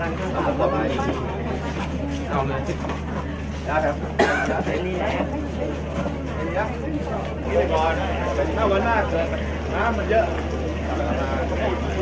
เมืองอัศวินธรรมดาคือสถานที่สุดท้ายของเมืองอัศวินธรรมดา